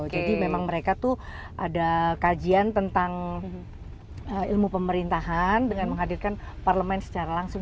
jadi memang mereka tuh ada kajian tentang ilmu pemerintahan dengan menghadirkan parlemen secara langsung